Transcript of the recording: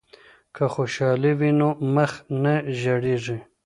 که خوشحالی وي نو مخ نه ژیړیږي.